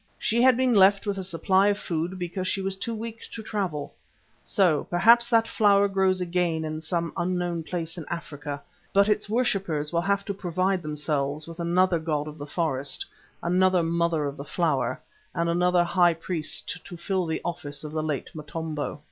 She had been left with a supply of food because she was too weak to travel. So, perhaps, that flower grows again in some unknown place in Africa, but its worshippers will have to provide themselves with another god of the forest, another Mother of the Flower, and another high priest to fill the office of the late Motombo.